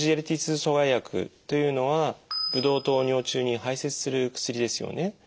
２阻害薬というのはブドウ糖を尿中に排せつする薬ですよね。